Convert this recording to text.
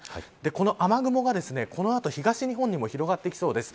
この雨雲が、この後東日本にも広がってきそうです。